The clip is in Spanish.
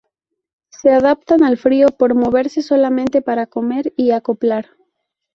Se adaptan al frío por moverse solamente para comer y acoplar.